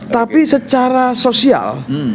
tapi secara sosial